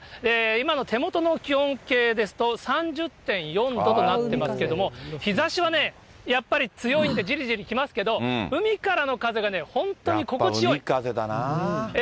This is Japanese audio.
今の手元の気温計ですと、３０．４度となってますけれども、日ざしはやっぱり強いんで、じりじりきますけど、海からの風がね、やっぱ海風だな。